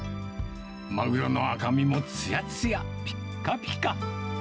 マグロの赤身もつやつや、ぴっかぴか。